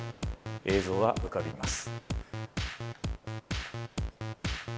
映像は浮かびます。